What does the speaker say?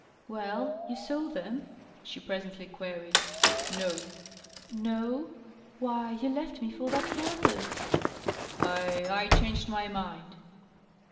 " Well, you saw them ?" she presently queried. "No." " No ? Why, you left me for that purpose." " I — I changed my mind."